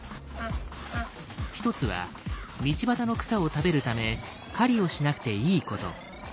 一つは道端の草を食べるため狩りをしなくていいこと。